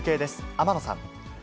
天野さん。